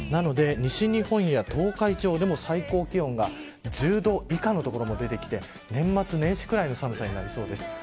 西日本や東海地方でも最高気温が１０度以下の所も出てきて年末年始ぐらいの寒さになりそうです。